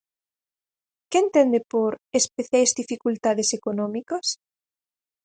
¿Que entende por "especiais dificultades económicas"?